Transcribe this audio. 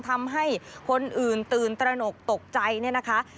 ทำให้คนอื่นตื่นตระหนกตกใจเนี่ยนะคะ